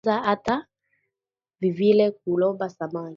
Anaweza ata vivile ku loba samaki